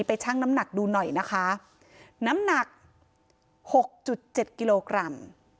ชั่งน้ำหนักดูหน่อยนะคะน้ำหนักหกจุดเจ็ดกิโลกรัม